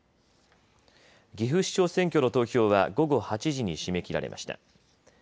岐阜市長選挙の投票は午後８時に締め切られました。